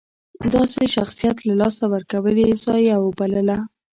د داسې شخصیت له لاسه ورکول یې ضایعه وبلله.